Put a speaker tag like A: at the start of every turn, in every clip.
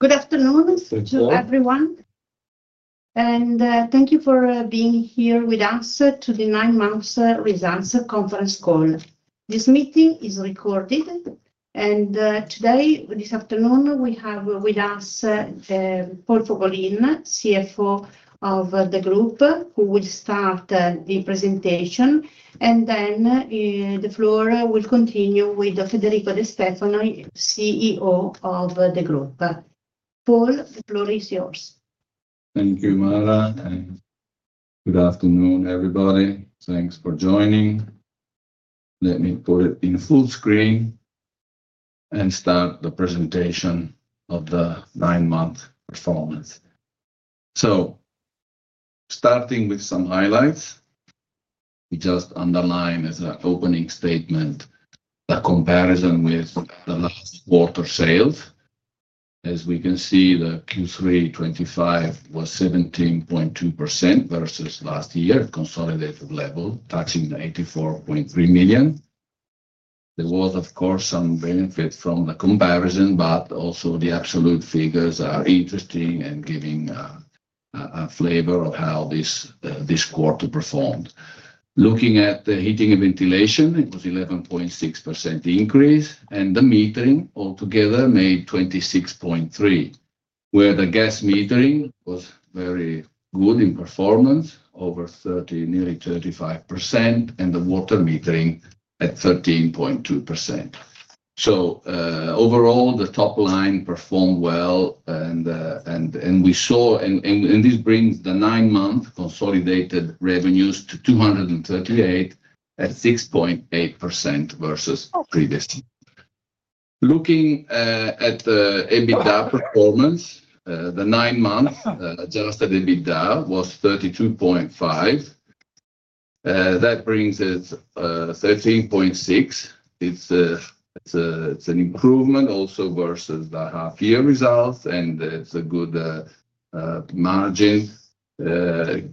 A: Good afternoon to everyone. Thank you for being here with us for the nine-month results conference call. This meeting is recorded. This afternoon, we have with us Paul Fogolin, CFO of the group, who will start the presentation. The floor will then continue with Federico de Stefani, CEO of the group. Paul, the floor is yours.
B: Thank you, Mara. And good afternoon, everybody. Thanks for joining. Let me put it in full screen and start the presentation of the nine-month performance. Starting with some highlights, we just underlined as an opening statement the comparison with the last quarter sales. As we can see, the Q3 2025 was 17.2% versus last year's consolidated level, touching the €84.3 million. There was, of course, some benefit from the comparison, but also the absolute figures are interesting and giving a flavor of how this quarter performed. Looking at the heating and ventilation, it was an 11.6% increase. The metering altogether made 26.3, where the gas metering was very good in performance, over 30%, nearly 35%, and the water metering at 13.2%. Overall, the top line performed well. This brings the nine-month consolidated revenues to €238 million at 6.8% versus previous month. Looking at the EBITDA performance, the nine-month adjusted EBITDA was €32.5 million. That brings us 13.6%. It's an improvement also versus the half-year results. It's a good margin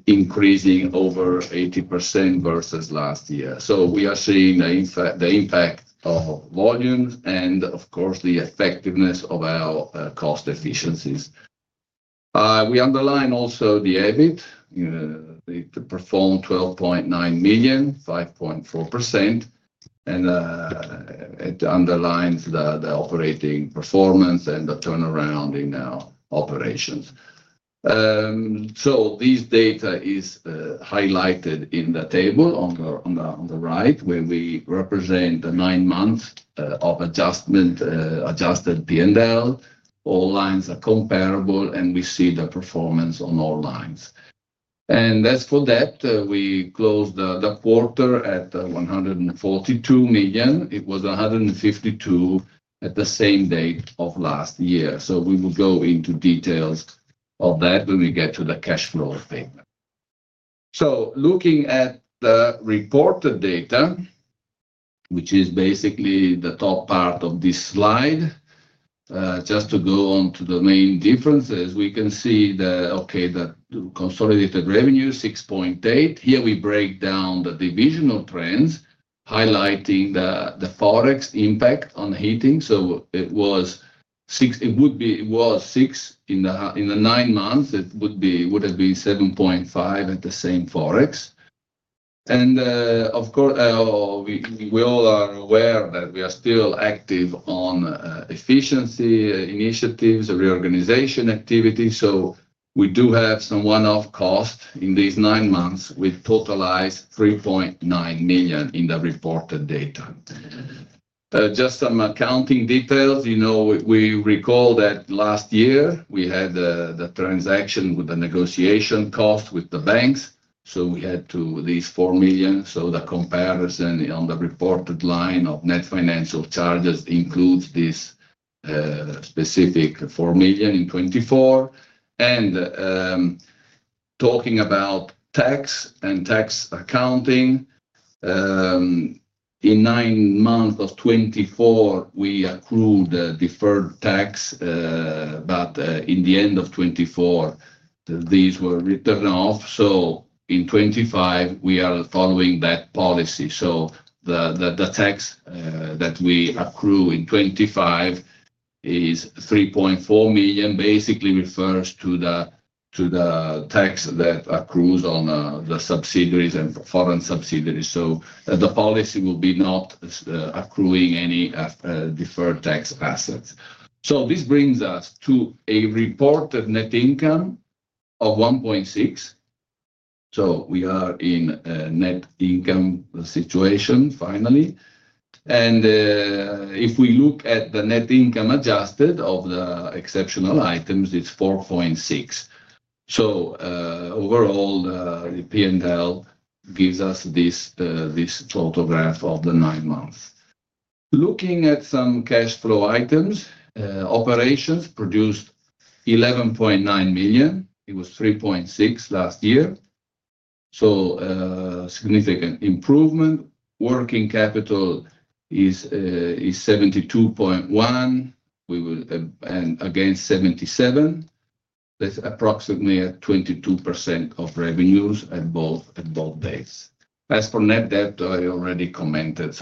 B: increasing over 80% versus last year. We are seeing the impact of volumes and, of course, the effectiveness of our cost efficiencies. We underlined also the EBIT. It performed €12.9 million, 5.4%. It underlines the operating performance and the turnaround in our operations. This data is highlighted in the table on the right where we represent the nine months of adjusted P&L. All lines are comparable, and we see the performance on all lines. As for debt, we closed the quarter at €142 million. It was €152 million at the same date of last year. We will go into details of that when we get to the cash flow statement. Looking at the reported data, which is basically the top part of this slide, just to go on to the main differences, we can see the consolidated revenue, 6.8%. Here, we break down the divisional trends, highlighting the Forex impact on heating. It was six, it would be, it was six in the nine months. It would have been 7.5% at the same Forex. We all are aware that we are still active on efficiency initiatives, reorganization activities. We do have some one-off costs in these nine months. We totalize €3.9 million in the reported data. Just some accounting details. You know, we recall that last year, we had the transaction with the negotiation cost with the banks. We had to, these €4 million. The comparison on the reported line of net financial charges includes this specific $4 million in 2024. Talking about tax and tax accounting, in nine months of 2024, we accrued deferred tax. At the end of 2024, these were written off. In 2025, we are following that policy. The tax that we accrue in 2025 is $3.4 million. Basically, it refers to the tax that accrues on the subsidiaries and foreign subsidiaries. The policy will be not accruing any deferred tax assets. This brings us to a reported net income of $1.6 million. We are in a net income situation, finally. If we look at the net income adjusted of the exceptional items, it's $4.6 million. Overall, the P&L gives us this photograph of the nine months. Looking at some cash flow items, operations produced $11.9 million. It was $3.6 million last year, so significant improvement. Working capital is $72.1 million. Again, $77 million. That's approximately at 22% of revenues at both dates. As for net debt, I already commented.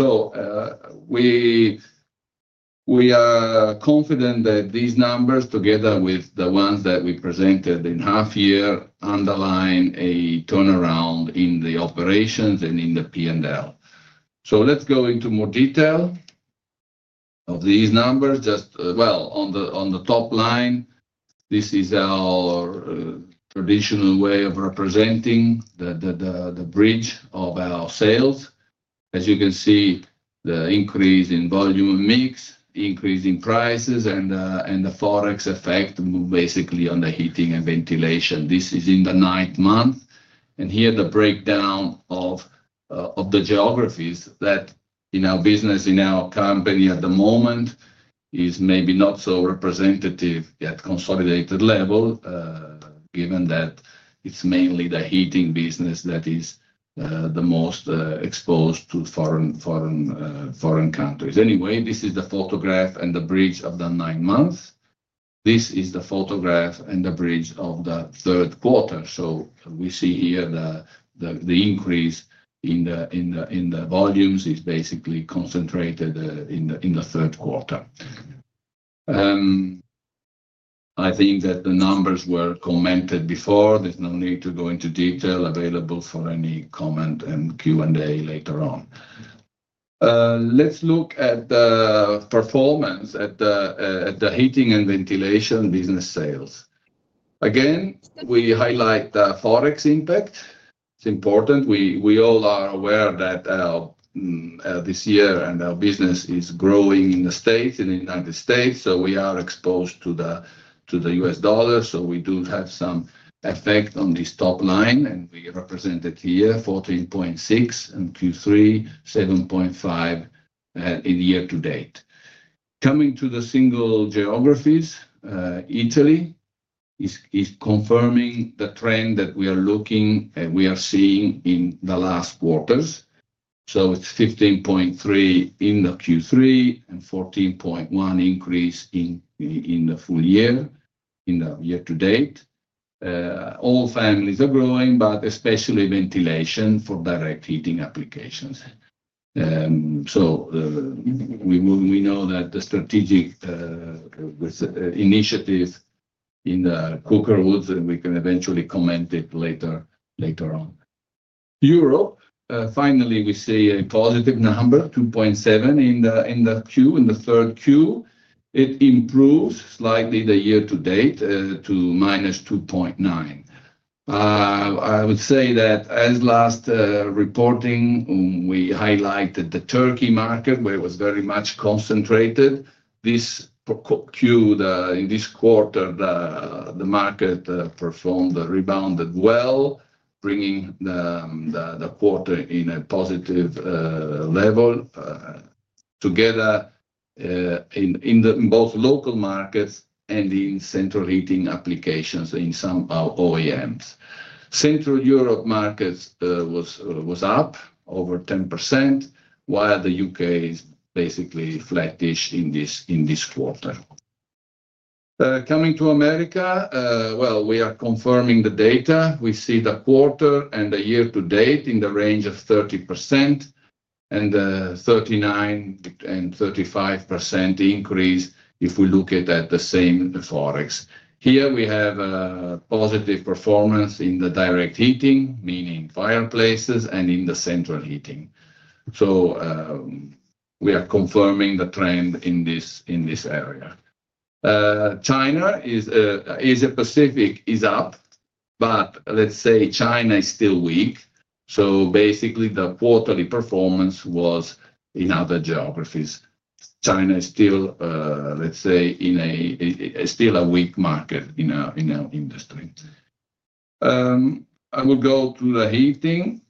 B: We are confident that these numbers, together with the ones that we presented in half-year, underline a turnaround in the operations and in the P&L. Let's go into more detail of these numbers. On the top line, this is our traditional way of representing the bridge of our sales. As you can see, the increase in volume and mix, increase in prices, and the Forex effect basically on the heating and ventilation. This is in the ninth month. Here, the breakdown of the geographies that in our business, in our company at the moment, is maybe not so representative at consolidated level, given that it's mainly the heating business that is the most exposed to foreign countries. This is the photograph and the bridge of the nine months. This is the photograph and the bridge of the third quarter. We see here the increase in the volumes is basically concentrated in the third quarter. I think that the numbers were commented before. There's no need to go into detail. Available for any comment and Q&A later on. Let's look at the performance at the heating and ventilation business sales. Again, we highlight the Forex impact. It's important. We all are aware that this year our business is growing in the States and in the United States. We are exposed to the U.S. dollar, so we do have some effect on this top line. We represented here $14.6 million and Q3 $7.5 million in year to date. Coming to the single geographies, Italy is confirming the trend that we are looking and we are seeing in the last quarters. It's 15.3 in Q3 and 14.1% increase in the full year in the year to date. All families are growing, but especially ventilation for direct heating applications. We know that the strategic initiative in the Coker Woods, and we can eventually comment it later on. Europe, finally, we see a positive number, 2.7 in the Q3. It improves slightly the year to date to minus 2.9%. I would say that as last reporting, we highlighted the Turkey market where it was very much concentrated. This quarter, the market rebounded well, bringing the quarter in a positive level together in both local markets and in central heating applications in some OEMs. Central Europe market was up over 10%, while the UK is basically flattish in this quarter. Coming to America, we are confirming the data. We see the quarter and the year to date in the range of 30% and 39% and 35% increase if we look at the same Forex. Here, we have a positive performance in the direct heating, meaning fireplaces, and in the central heating. We are confirming the trend in this area. China is a Pacific, is up, but let's say China is still weak. Basically, the quarterly performance was in other geographies. China is still, let's say, in a still a weak market in our industry. I will go to the heating.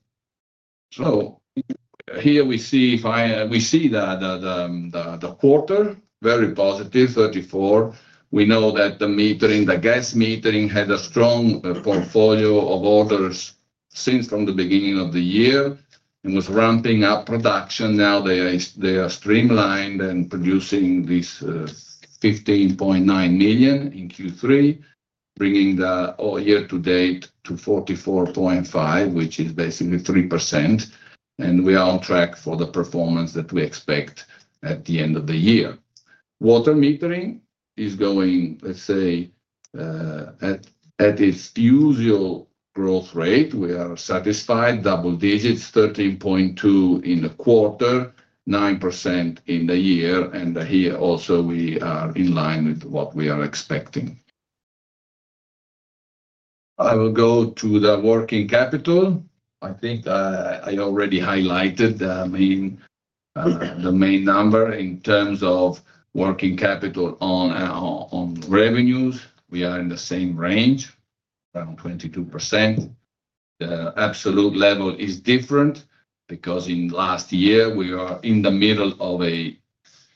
B: Here we see if we see that the quarter very positive, 34. We know that the metering, the gas metering has a strong portfolio of orders since from the beginning of the year and was ramping up production. Now they are streamlined and producing this 15.9 million in Q3, bringing the year to date to 44.5, which is basically 3%. We are on track for the performance that we expect at the end of the year. Water metering is going, let's say, at its usual growth rate. We are satisfied, double digits, 13.2% in the quarter, 9% in the year. Here also, we are in line with what we are expecting. I will go to the working capital. I think I already highlighted the main number in terms of working capital on revenues. We are in the same range, around 22%. The absolute level is different because in the last year, we are in the middle of an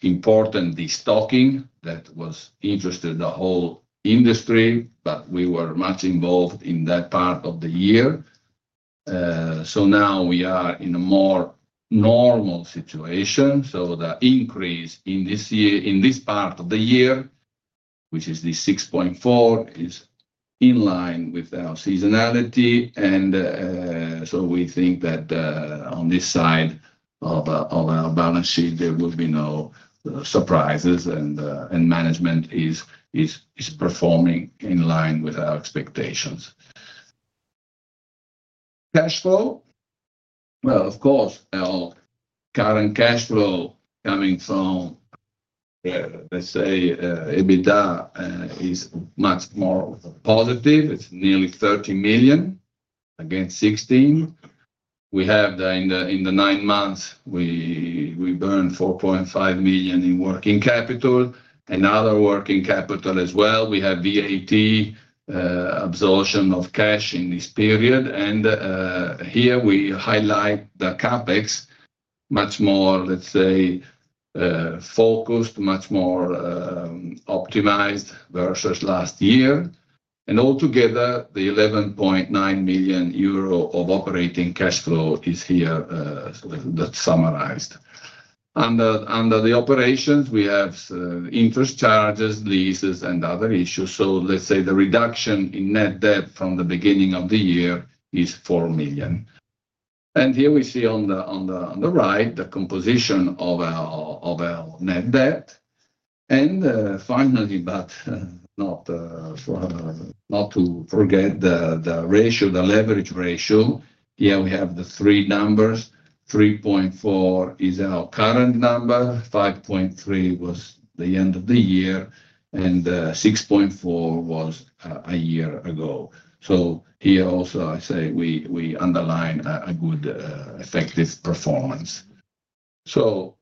B: important restocking that was interested the whole industry, but we were much involved in that part of the year. Now we are in a more normal situation. The increase in this year, in this part of the year, which is the 6.4, is in line with our seasonality. We think that on this side of our balance sheet, there will be no surprises. Management is performing in line with our expectations. Cash flow, of course, our current cash flow coming from, let's say, EBITDA is much more positive. It's nearly €30 million against €16 million. In the nine months, we burned €4.5 million in working capital and other working capital as well. We have VAT absorption of cash in this period. Here, we highlight the CapEx much more, let's say, focused, much more optimized versus last year. Altogether, the €11.9 million of operating cash flow is here, that's summarized. Under the operations, we have interest charges, leases, and other issues. The reduction in net debt from the beginning of the year is €4 million. Here, we see on the right the composition of our net debt. Finally, but not to forget the ratio, the leverage ratio. Here, we have the three numbers, 3.4 is our current number, 5.3 was the end of the year and 6.4 was a year ago. Here also, I say we underline a good effective performance.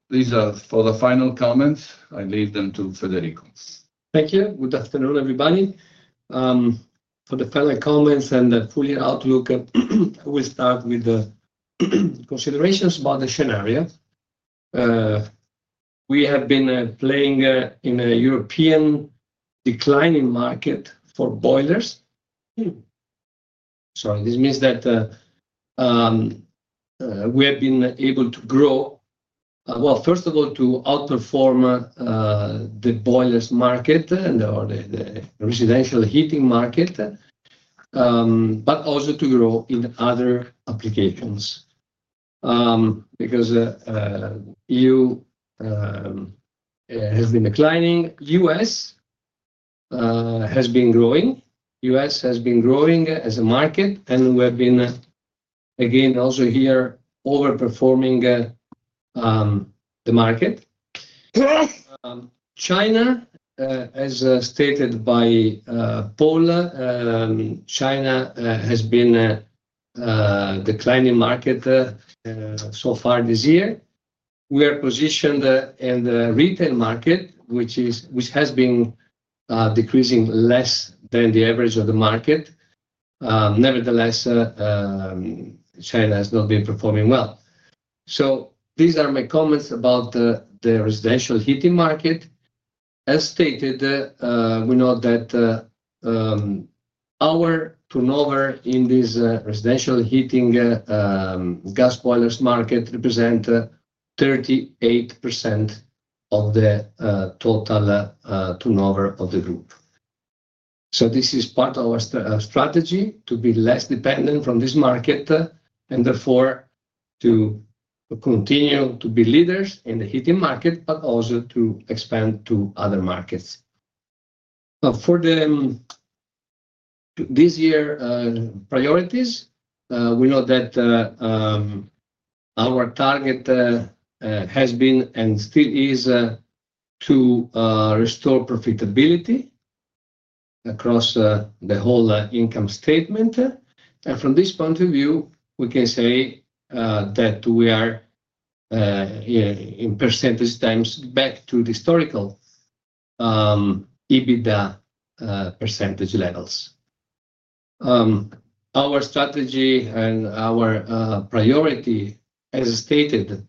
B: These are for the final comments. I leave them to Federico.
C: Thank you. Good afternoon, everybody. For the final comments and the full year outlook, we'll start with the considerations about the scenario. We have been playing in a European declining market for boilers. This means that we have been able to grow, first of all, to outperform the boilers market and the residential heating market, but also to grow in other applications because the EU has been declining. The U.S. has been growing. The U.S. has been growing as a market. We have been, again, also here overperforming the market. China, as stated by Paul, has been a declining market so far this year. We are positioned in the retail market, which has been decreasing less than the average of the market. Nevertheless, China has not been performing well. These are my comments about the residential heating market. As stated, we know that our turnover in this residential gas boilers market represents 38% of the total turnover of the group. This is part of our strategy to be less dependent from this market and therefore to continue to be leaders in the heating market, but also to expand to other markets. For this year's priorities, we know that our target has been and still is to restore profitability across the whole income statement. From this point of view, we can say that we are in percentage terms back to the historical EBITDA percentage levels. Our strategy and our priority, as stated,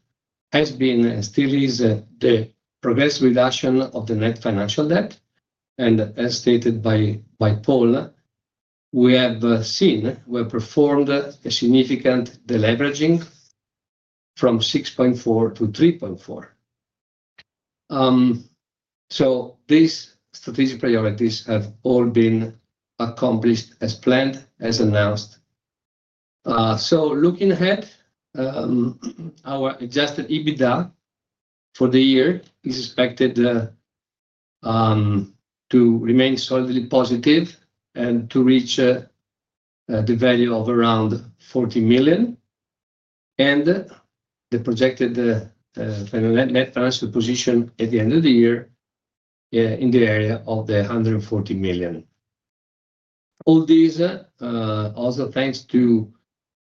C: has been and still is the progressive reduction of the net financial debt. As stated by Paul, we have performed a significant deleveraging from 6.4 to 3.4. These strategic priorities have all been accomplished as planned, as announced. Looking ahead, our adjusted EBITDA for the year is expected to remain solidly positive and to reach the value of around $40 million. The projected net financial position at the end of the year in the area of the $140 million. All these also thanks to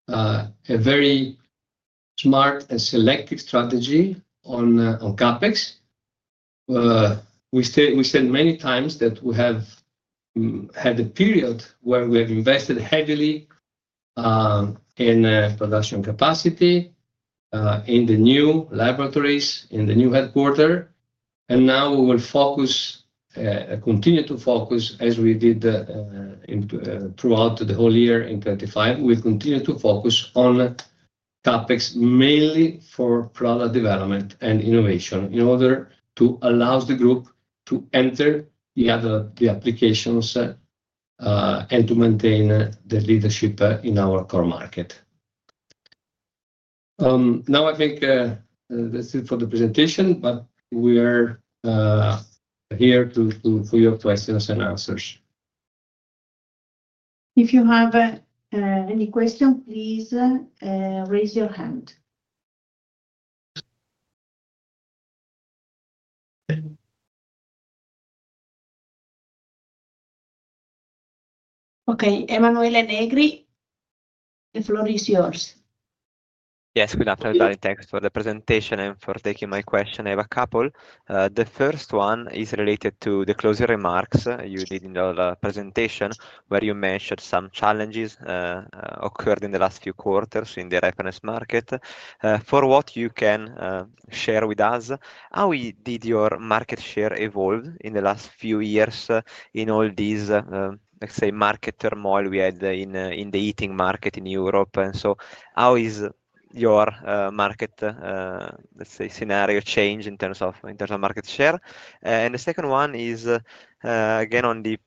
C: a very smart and selective strategy on CapEx. We said many times that we have had a period where we have invested heavily in production capacity, in the new laboratories, in the new headquarter. Now we will focus, continue to focus, as we did throughout the whole year in 2025. We continue to focus on CapEx mainly for product development and innovation in order to allow the group to enter the applications and to maintain the leadership in our core market. I think that's it for the presentation, but we are here for your questions and answers. If you have any questions, please raise your hand. Okay. Emanuele Negri, the floor is yours.
D: Yes, good afternoon, thanks for the presentation and for taking my question. I have a couple. The first one is related to the closing remarks you did in your presentation where you mentioned some challenges occurred in the last few quarters in the reference market. For what you can share with us, how did your market share evolve in the last few years in all these, let's say, market turmoil we had in the heating market in Europe? How is your market, let's say, scenario changed in terms of market share? The second one is, again, on the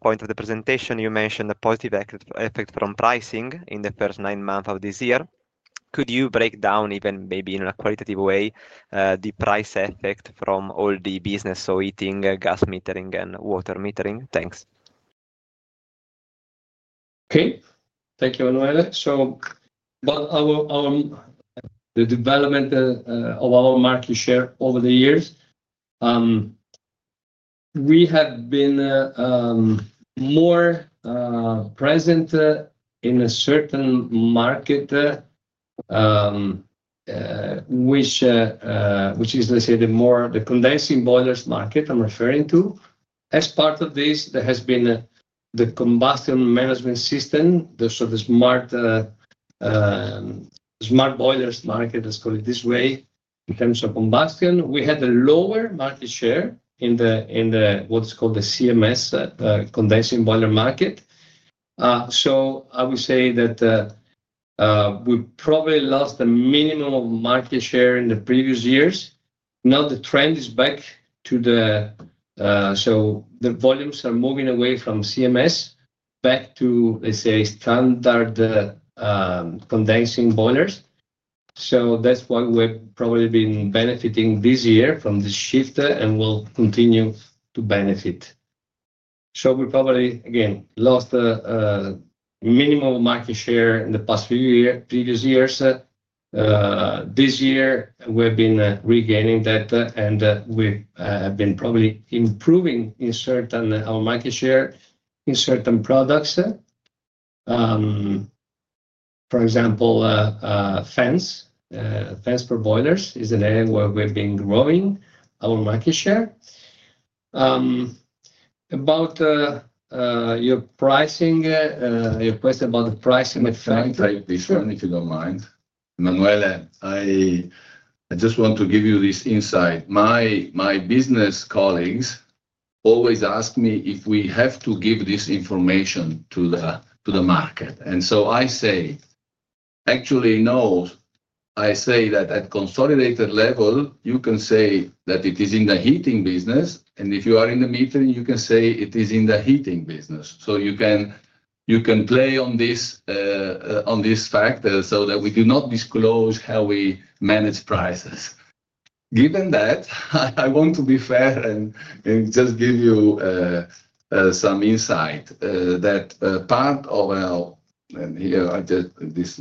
D: point of the presentation, you mentioned the positive effect from pricing in the first nine months of this year. Could you break down even maybe in a qualitative way the price effect from all the business, so heating, gas metering, and water metering? Thanks.
C: Okay. Thank you, Emanuele. What our development of our market share over the years, we have been more present in a certain market, which is, let's say, the condensing boilers market I'm referring to. As part of this, there has been the combustion management system, so the smart boilers market, let's call it this way, in terms of combustion. We had a lower market share in what's called the CMS, the condensing boilers market. I would say that we probably lost the minimum of market share in the previous years. Now, the trend is back to the, the volumes are moving away from CMS back to, let's say, standard condensing boilers. That's why we've probably been benefiting this year from this shift and will continue to benefit. We probably, again, lost the minimum of market share in the past few years, previous years. This year, we have been regaining that and we have been probably improving in certain our market share in certain products. For example, fence, fence for boilers is an area where we've been growing our market share. About your pricing, your question about the pricing effect.
B: I'll try to be short, if you don't mind. Emanuele, I just want to give you this insight. My business colleagues always ask me if we have to give this information to the market. I say, actually, no. I say that at a consolidated level, you can say that it is in the heating business. If you are in the metering, you can say it is in the heating business. You can play on this fact so that we do not disclose how we manage prices. Given that, I want to be fair and just give you some insight that part of our, and here, this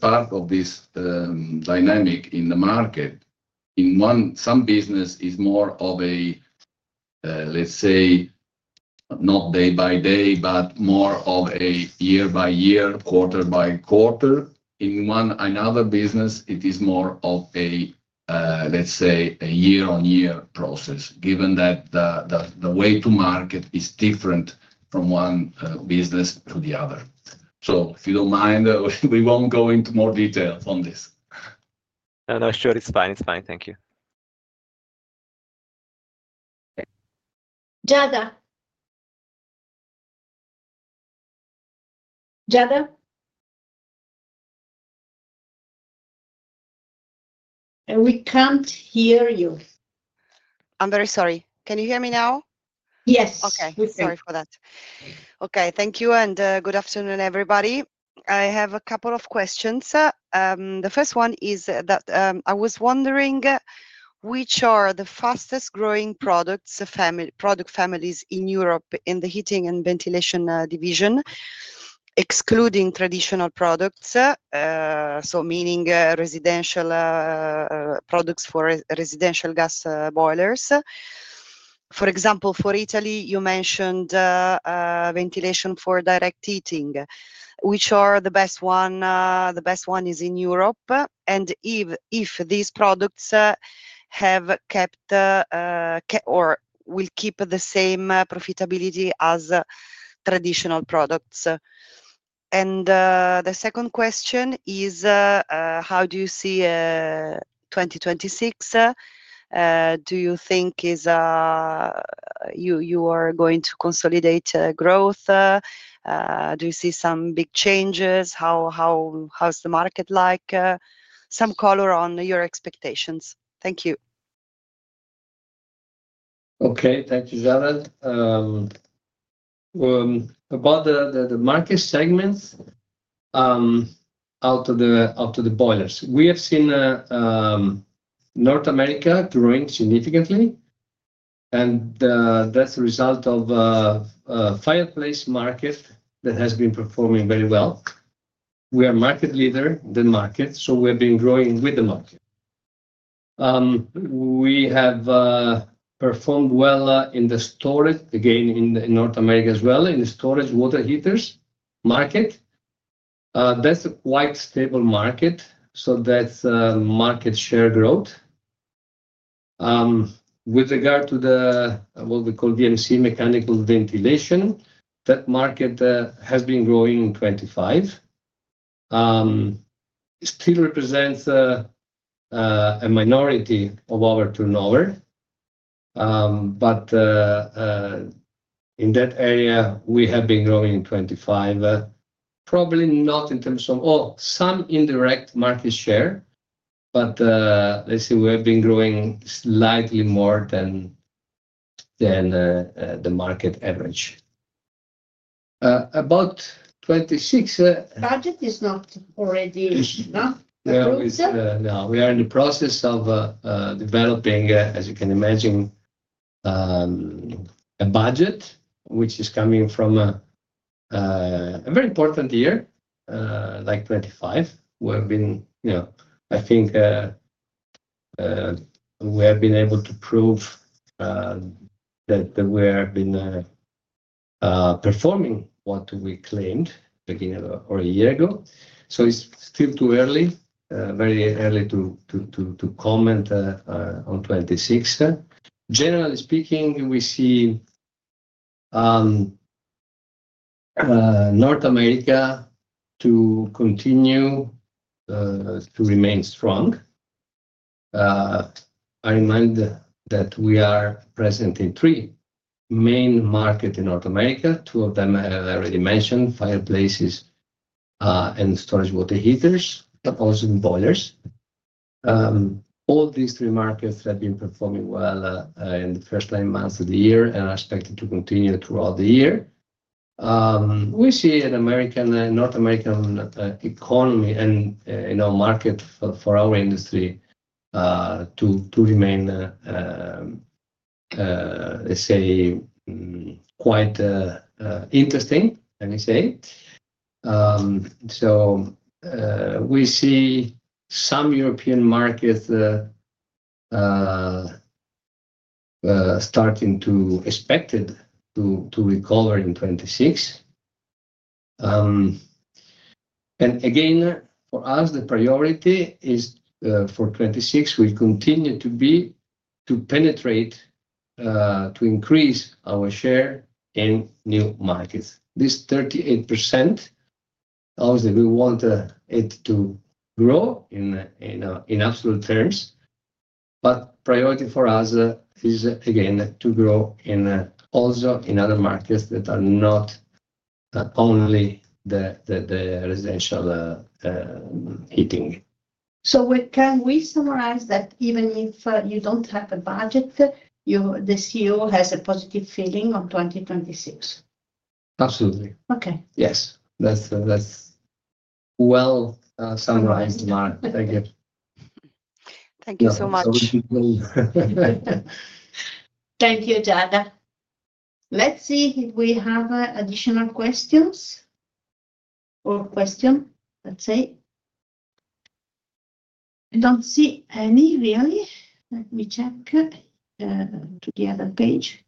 B: part of this dynamic in the market, in one, some business is more of a, let's say, not day by day, but more of a year by year, quarter by quarter. In another business, it is more of a, let's say, a year-on-year process, given that the way to market is different from one business to the other. If you don't mind, we won't go into more detail on this.
D: No, it's fine. Thank you. Jada. Jada, we can't hear you. I'm very sorry. Can you hear me now? Yes. Okay, sorry for that. Okay. Thank you. Good afternoon, everybody. I have a couple of questions. The first one is that I was wondering which are the fastest growing product families in Europe in the heating and ventilation division, excluding traditional products, so meaning products for residential gas boilers. For example, for Italy, you mentioned ventilation for direct heating. Which are the best ones in Europe? If these products have kept or will keep the same profitability as traditional products. The second question is, how do you see 2026? Do you think you are going to consolidate growth? Do you see some big changes? How is the market? Some color on your expectations. Thank you.
C: Okay. Thank you, Jada. About the market segments out of the boilers, we have seen North America growing significantly. That's a result of a fireplace market that has been performing very well. We are a market leader in the market, so we have been growing with the market. We have performed well in the storage, again, in North America as well, in the storage water heaters market. That's a quite stable market. That's market share growth. With regard to the, what we call DMC, mechanical ventilation, that market has been growing in 2025. It still represents a minority of our turnover. In that area, we have been growing in 2025, probably not in terms of, oh, some indirect market share, but let's say we have been growing slightly more than the market average. About 2026. The budget is not already approved? We are in the process of developing, as you can imagine, a budget which is coming from a very important year, like 2025. We have been able to prove that we have been performing what we claimed a year ago. It's still very early to comment on 2026. Generally speaking, we see North America continue to remain strong. I remind that we are present in three main markets in North America. Two of them I already mentioned, fireplaces and storage water heaters, but also in boilers. All these three markets have been performing well in the first nine months of the year and are expected to continue throughout the year. We see a North American economy and in our market for our industry to remain, let's say, quite interesting, let me say. We see some European markets starting to expect to recover in 2026. For us, the priority for 2026 continues to be to penetrate, to increase our share in new markets. This 38%, obviously, we want it to grow in absolute terms. The priority for us is, again, to grow also in other markets that are not only the residential heating. Can we summarize that even if you don't have a budget, the CEO has a positive feeling on 2026? Absolutely. Okay. Yes, that's well summarized, Mara. Thank you. Thank you so much. Thank you, Jada. Let's see if we have additional questions. I don't see any, really. Let me check the other page.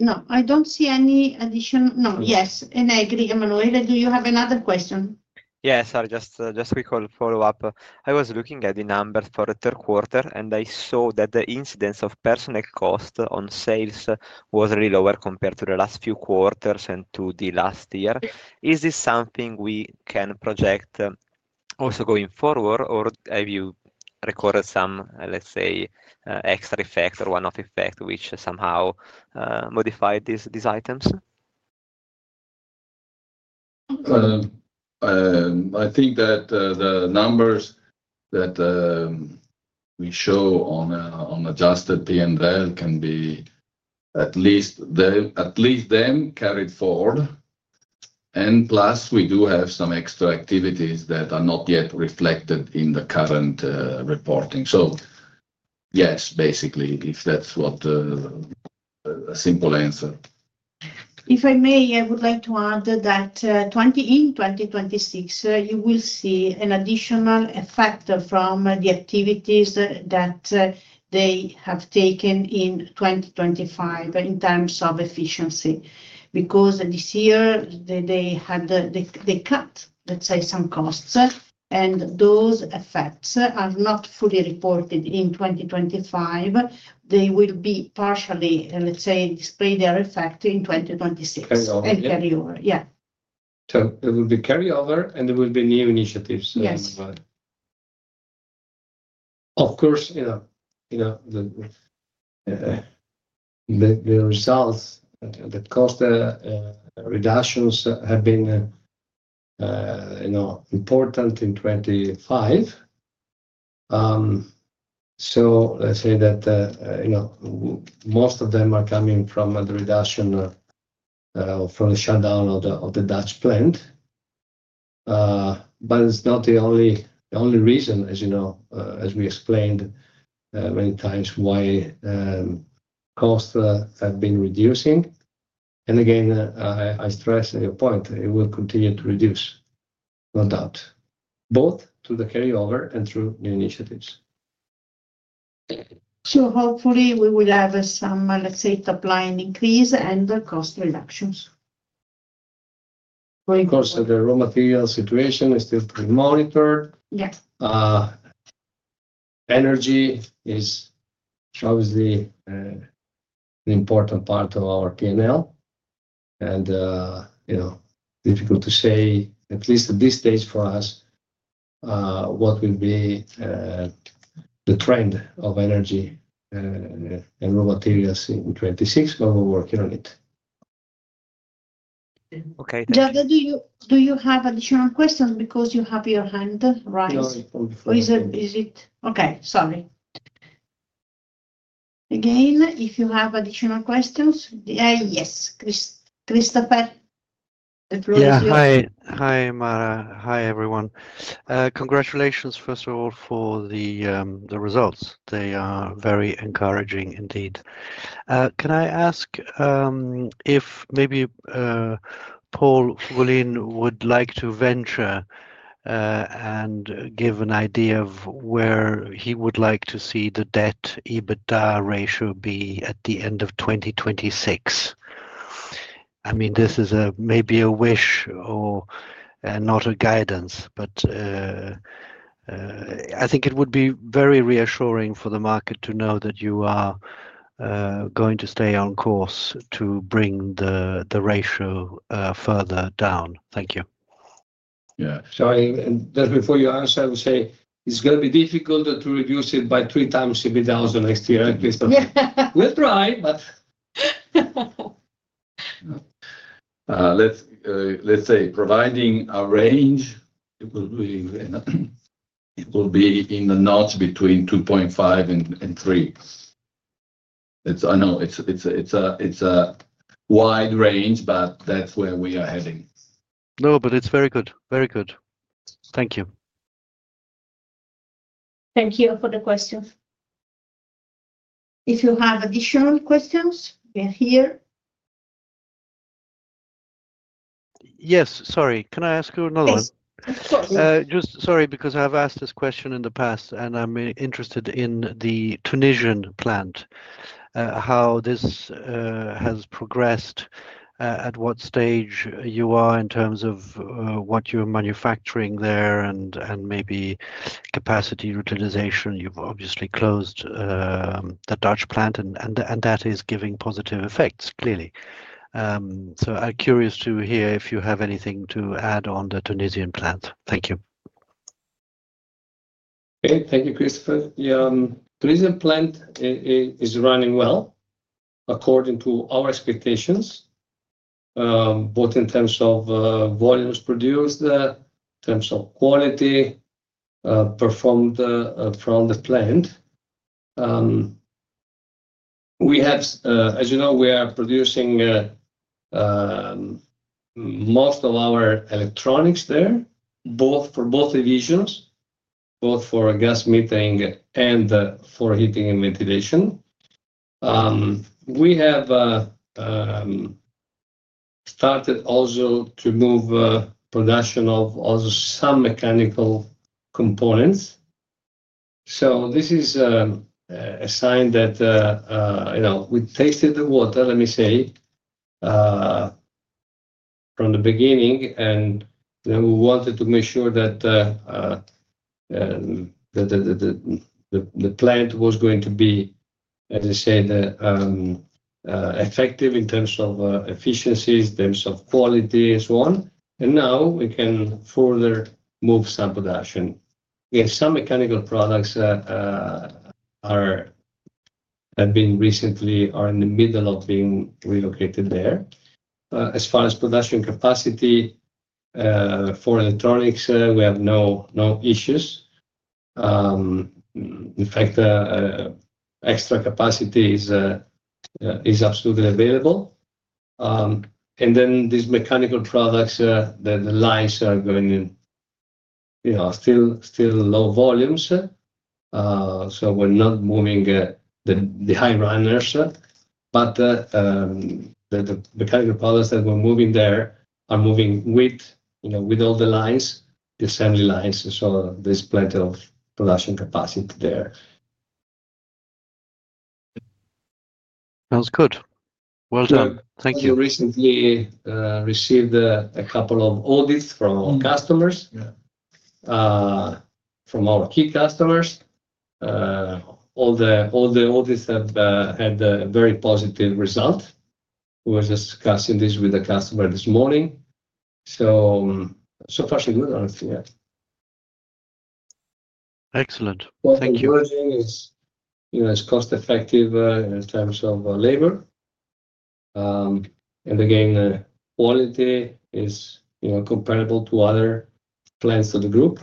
C: No, I don't see any additional. No, yes. I agree. Emanuele, do you have another question?
D: Yes, sorry, just a quick follow-up. I was looking at the numbers for the third quarter, and I saw that the incidence of personal cost on sales was really lower compared to the last few quarters and to last year. Is this something we can project also going forward, or have you recorded some, let's say, extra effect or one-off effect which somehow modified these items?
B: I think that the numbers that we show on adjusted P&L can be at least them carried forward. Plus, we do have some extra activities that are not yet reflected in the current reporting. Yes, basically, if that's what a simple answer. If I may, I would like to add that in 2026, you will see an additional effect from the activities that they have taken in 2025 in terms of efficiency. This year, they cut, let's say, some costs, and those effects are not fully reported in 2025. They will be partially, let's say, display their effect in 2026. Carryover. Carryover, yeah.
C: It will be carryover, and there will be new initiatives. Of course, you know the results that cost reductions have been important in 2025. Let's say that you know most of them are coming from the reduction or from the shutdown of the Dutch plant. It's not the only reason, as you know, as we explained many times, why costs have been reducing. Again, I stress your point. It will continue to reduce, no doubt, both through the carryover and through new initiatives. Hopefully, we will have some, let's say, top-line increase and cost reductions. Of course, the raw material situation is still to be monitored. Energy is obviously an important part of our P&L, and it's difficult to say, at least at this stage for us, what will be the trend of energy and raw materials in 2026, but we're working on it.
D: Okay. Jada, do you have additional questions because you have your hand raised? If you have additional questions, yes, Christopher, the floor is yours. Yeah. Hi, Mara. Hi, everyone. Congratulations, first of all, for the results. They are very encouraging indeed. Can I ask if maybe Paul Fogolin would like to venture and give an idea of where he would like to see the debt EBITDA ratio be at the end of 2026? I mean, this is maybe a wish or not a guidance, but I think it would be very reassuring for the market to know that you are going to stay on course to bring the ratio further down. Thank you.
C: Sorry. Just before you answer, I would say it's going to be difficult to reduce it by three times EBITDA also next year, at least. We'll try, but...
B: Let's say providing a range, it will be in the notch between 2.5 and 3. I know it's a wide range, but that's where we are heading. No, it's very good. Very good. Thank you. Thank you for the questions. If you have additional questions, we are here. Yes. Sorry, can I ask you another one? Of course. Sorry because I have asked this question in the past, and I'm interested in the Tunisian plant, how this has progressed, at what stage you are in terms of what you're manufacturing there, and maybe capacity utilization. You've obviously closed the Dutch plant, and that is giving positive effects, clearly. I'm curious to hear if you have anything to add on the Tunisian plant. Thank you.
C: Okay. Thank you, Christopher. The Tunisian plant is running well according to our expectations, both in terms of volumes produced and in terms of quality performed from the plant. As you know, we are producing most of our electronics there for both divisions, both for gas metering and for heating and ventilation. We have started also to move production of some mechanical components. This is a sign that we tasted the water, let me say, from the beginning. We wanted to make sure that the plant was going to be, as I said, effective in terms of efficiencies, in terms of quality, and so on. Now we can further move some production. Some mechanical products have been recently in the middle of being relocated there. As far as production capacity for electronics, we have no issues. In fact, extra capacity is absolutely available. These mechanical products, the lines are going in still low volumes. We're not moving the high runners. The mechanical products that we're moving there are moving with all the lines, the assembly lines. There's plenty of production capacity there. Sounds good. Thank you. We recently received a couple of audits from our customers, from our key customers. All the audits have had a very positive result. We were discussing this with the customer this morning. So far, so good, honestly. Yeah. Excellent. Thank you. It is cost-effective in terms of labor, and the quality is comparable to other plants of the group.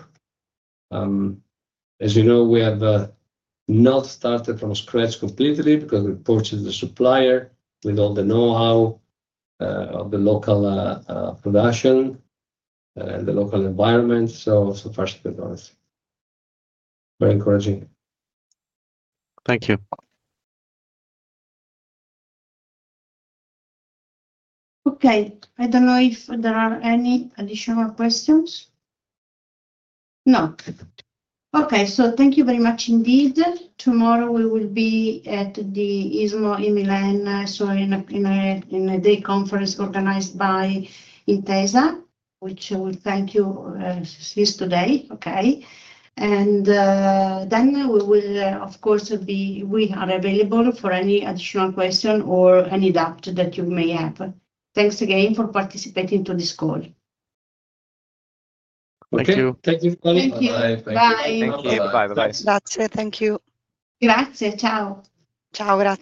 C: As you know, we have not started from scratch completely because we purchased the supplier with all the know-how of the local production and the local environment. So far, so good, honestly. Very encouraging. Thank you. Okay. I don't know if there are any additional questions. No? Okay. Thank you very much indeed. Tomorrow, we will be at the ISMO in Milan, in a day conference organized by Intesa, which we thank you since today. We are available for any additional question or any doubt that you may have. Thanks again for participating to this call.
B: Thank you.
C: Thank you very much.
D: Thank you. Bye. Bye-bye. Grazie. Thank you. Grazie. Ciao.